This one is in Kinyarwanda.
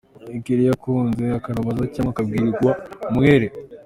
Kelly yakunze kubishinjwa ariko akabihakana cyangwa akagirwa umwere.